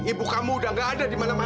ibu kamu udah gak ada di mana mana